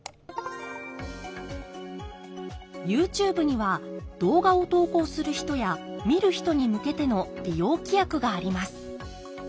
ＹｏｕＴｕｂｅには動画を投稿する人や見る人に向けての利用規約があります。